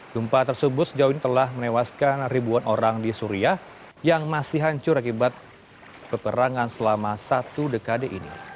gempa tersebut sejauh ini telah menewaskan ribuan orang di suria yang masih hancur akibat peperangan selama satu dekade ini